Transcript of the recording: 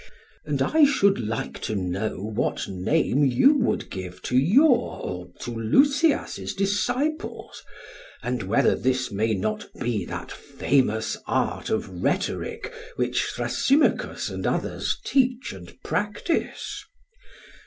And I should like to know what name you would give to your or to Lysias' disciples, and whether this may not be that famous art of rhetoric which Thrasymachus and others teach and practise?